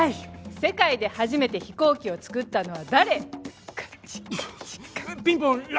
世界で初めて飛行機を作ったのは。